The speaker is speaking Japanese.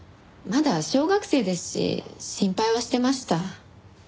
まだ小学生ですし心配はしてました。